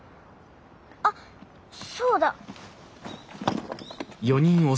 あっそうだ！